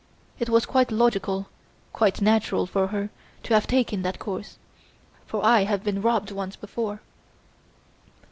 It was quite logical, quite natural for her to have taken that course for I have been robbed once before."